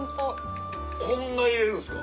こんな入れるんですか？